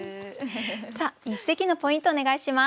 さあ一席のポイントお願いします。